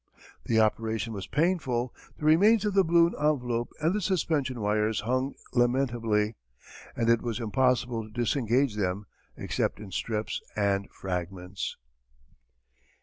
The operation was painful. The remains of the balloon envelope and the suspension wires hung lamentably; and it was impossible to disengage them except in strips and fragments!